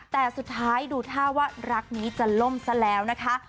แต่สุดท้ายดูท่าว่ารักนี้จะล่มซะแล้วนะคะ